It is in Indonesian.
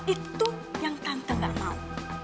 itu yang tante gak mau